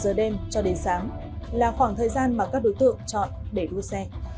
bắt đầu từ một mươi h đêm cho đến sáng là khoảng thời gian mà các đối tượng chọn để đua xe